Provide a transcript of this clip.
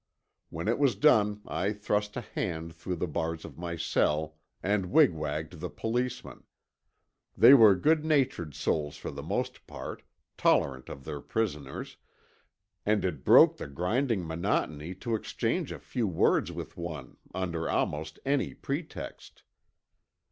When it was done I thrust a hand through the bars of my cell and wig wagged the Policeman—they were good natured souls for the most part, tolerant of their prisoners, and it broke the grinding monotony to exchange a few words with one under almost any pretext.